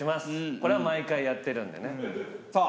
これは毎回やってるんでねさあ